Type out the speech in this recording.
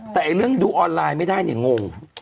แต่เรื่องดูออนไลน์ไม่ได้เนี่ยงง